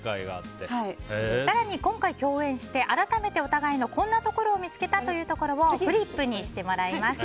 更に、今回共演して改めて、お互いのこんなところを見つけたというところをフリップにしてもらいました。